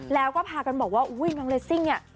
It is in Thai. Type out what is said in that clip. แล้วก็พากันบอกว่าอุ้ยน้องเลสซิ่งเนี่ย